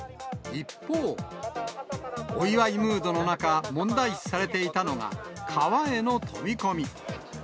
一方、お祝いムードの中、問題視されていたのが、川への飛び込み。